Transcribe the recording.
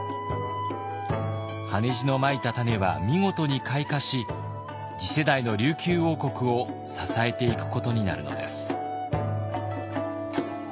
羽地のまいた種は見事に開花し次世代の琉球王国を支えていくことになるのです。